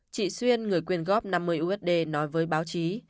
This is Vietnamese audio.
chị xuyên người quyên góp năm mươi usd nói với báo chí